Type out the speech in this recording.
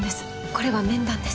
これは面談です。